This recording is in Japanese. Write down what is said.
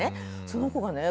その子がね